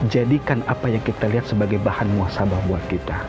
jadikan apa yang kita lihat sebagai bahan muasabah buat kita